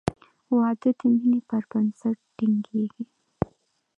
• واده د مینې پر بنسټ ټینګېږي.